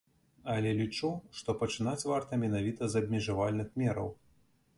Але лічу, што пачынаць варта менавіта з абмежавальных мераў.